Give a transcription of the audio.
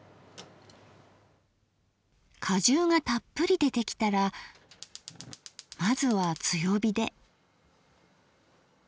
果汁がたっぷり出てきたらまずは強火で。